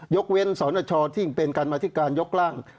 ยกเว้นสรณชอที่เป็นการมาธิการยกร่าง